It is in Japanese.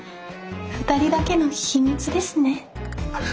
二人だけの秘密ですね。